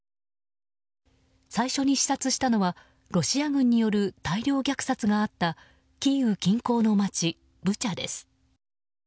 最初に視察したのはロシア軍による大量虐殺があったキーウ近郊の町ブチャです。